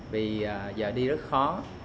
vì giờ đi rất khó